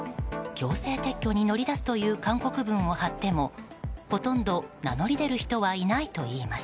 強制撤去に乗り出すという勧告文を張ってもほとんど名乗り出る人はいないといいます。